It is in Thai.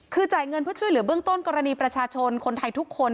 คือจ่ายเงินเพื่อช่วยเหลือเบื้องต้นกรณีประชาชนคนไทยทุกคน